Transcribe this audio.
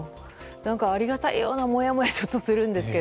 ありがたいようなもやもやするんですが。